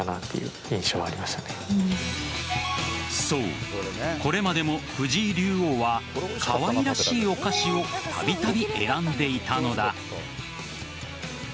そう、これまでも藤井竜王はかわいらしいお菓子をたびたび選んでいたのだ。